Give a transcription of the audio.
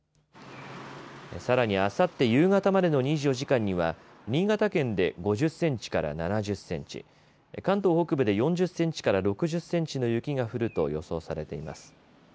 さらに、あさって夕方までの２４時間には新潟県で５０センチから７０センチ関東北部で４０センチから６０センチの雪が降ると予想されています。